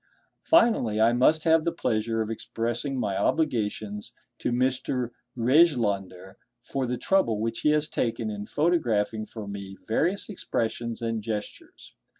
Finally, I must have the pleasure of expressing my obligations to Mr. Rejlander for the trouble which he has taken in photographing for me various expressions and gestures.